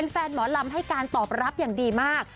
หมอลำให้การตอบรับอย่างดีมาก